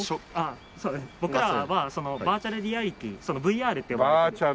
僕らはバーチャルリアリティーＶＲって呼ばれてる。